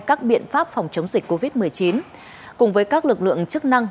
các biện pháp phòng chống dịch covid một mươi chín cùng với các lực lượng chức năng